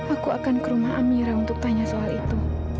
aku akan ke rumah amira untuk tanya soal itu